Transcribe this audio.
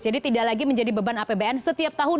jadi tidak lagi menjadi beban apbn setiap tahun